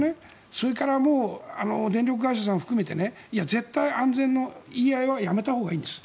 それから、電力会社さん含めて絶対安全の言い合いはやめたほうがいいんです。